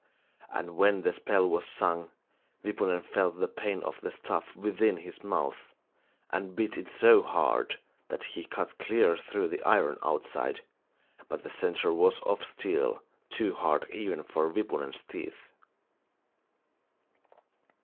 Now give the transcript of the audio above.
And when the spell was sung, Wipunen felt the pain of the staff within his mouth, and bit it so hard that he cut clear through the iron outside, but the centre was of steel, too hard even for Wipunen's teeth.